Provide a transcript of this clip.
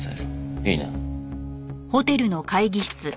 いいな？